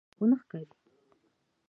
هو ښامار یوازینی تی لرونکی دی چې الوتلی شي